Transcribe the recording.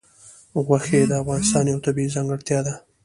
غوښې د افغانستان یوه طبیعي ځانګړتیا ده.